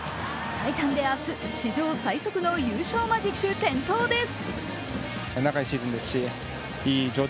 最短で明日、史上最速の優勝マジック点灯です。